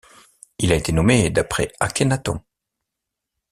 Il a été nommé d'après Akhénaton.